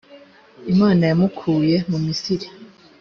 imana yamukuye mu misiri.